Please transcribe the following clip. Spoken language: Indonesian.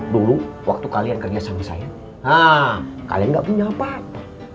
dulu waktu kalian kerja sama saya ah kalian gak punya apa apa